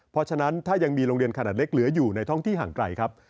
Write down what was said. เพราะฉะนั้นถ้ายังมีโรงเรียนขนาดเล็กเหลืออยู่ในท่องที่ห่างไกลครับ